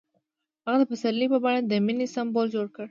هغه د پسرلی په بڼه د مینې سمبول جوړ کړ.